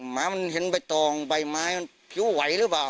หมามันเห็นใบตองใบไม้มันผิวไหวหรือเปล่า